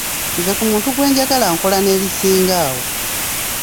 Nze ku muntu gwe njagala nkola n'ebisinga awo.